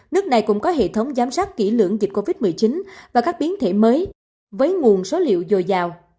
nước này cũng có hệ thống giám sát kỹ lưỡng dịch covid một mươi chín và các biến thể mới với nguồn số liệu dồi dào